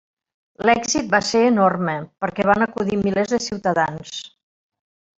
L'èxit va ser enorme, perquè van acudir milers de ciutadans.